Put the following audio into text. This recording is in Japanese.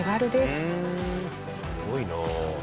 すごいな。